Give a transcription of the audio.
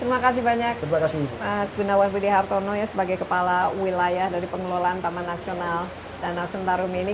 terima kasih banyak pak gunawan budi hartono ya sebagai kepala wilayah dari pengelolaan taman nasional danau sentarum ini